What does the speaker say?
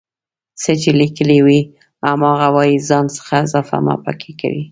څه چې ليکلي وي هماغه وايئ ځان څخه اضافه مه پکې کوئ